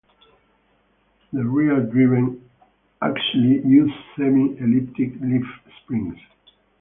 The rear driven axle used semi elliptic leaf springs.